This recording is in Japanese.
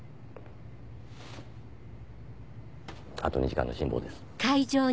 あと２時間の辛抱です。